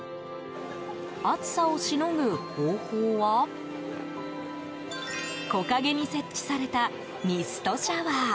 暑さをしのぐ方法は木陰に設置されたミストシャワー。